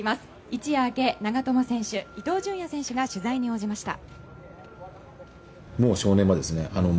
一夜明け、長友選手伊東純也選手が取材に応じました。